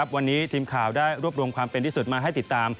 วันนี้ทีมข่าวได้รวบรวมความเป็นที่สุดมาให้ติดตาม